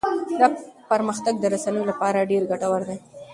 دا پرمختګ د رسنيو لپاره ډېر ګټور دی.